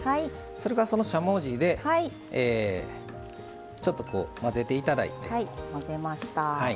それからしゃもじでちょっと混ぜていただいて。